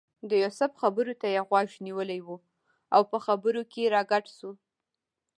د یوسف خبرو ته یې غوږ نیولی و او په خبرو کې راګډ شو.